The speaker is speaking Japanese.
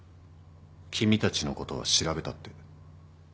君たちのことは調べたって。